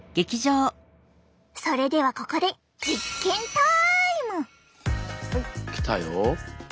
それではここで来たよ。